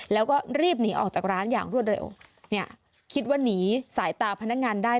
แล้วก็รีบหนีออกจากร้านอย่างรวดเร็วเนี่ยคิดว่าหนีสายตาพนักงานได้